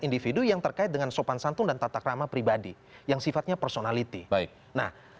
individu yang terkait dengan sopan santun dan tatak ramah pribadi yang sifatnya personality nah